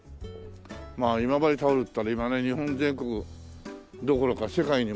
まあ今治タオルっていったら今ね日本全国どころか世界にもね。